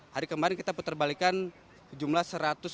hari kemarin kita putar balikan jumlah satu ratus lima puluh